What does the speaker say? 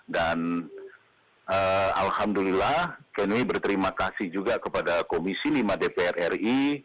alhamdulillah kami berterima kasih juga kepada komisi lima dpr ri